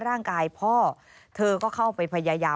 มันเกิดเหตุเป็นเหตุที่บ้านกลัว